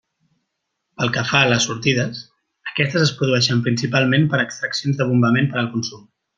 Pel que fa a les sortides, aquestes es produeixen principalment per extraccions de bombament per al consum.